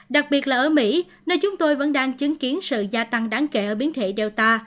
đặc biệt là ở mỹ nơi chúng tôi vẫn đang chứng kiến sự gia tăng đáng kể ở biến thể data